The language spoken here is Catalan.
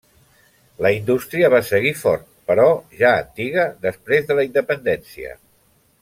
La indústria va seguir fort, però ja antiga, després de la independència.